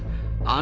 あ！